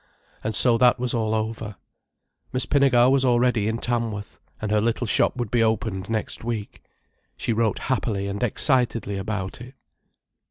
And so that was all over. Miss Pinnegar was already in Tamworth, and her little shop would be opened next week. She wrote happily and excitedly about it.